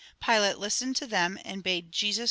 Pilate hstened to them, and bade Jesus be Mt.